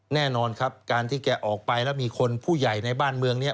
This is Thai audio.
แน่นอนครับการที่แกออกไปแล้วมีคนผู้ใหญ่ในบ้านเมืองนี้